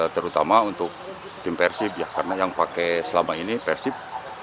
terutama untuk tim persib ya karena yang pakai selama ini persib